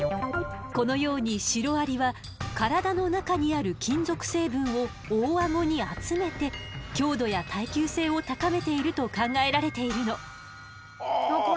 このようにシロアリは体の中にある金属成分を大アゴに集めて強度や耐久性を高めていると考えられているの。わ。